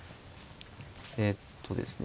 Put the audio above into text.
えっとですね